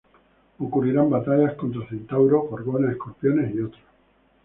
Ocurrirán batallas contra centauros, gorgonas, escorpiones y otros.